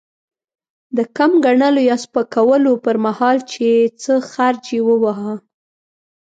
د کم ګڼلو يا سپکولو پر مهال؛ چې څه خرج يې وواهه.